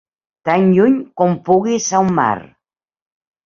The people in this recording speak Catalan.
Tan lluny com puguis al mar.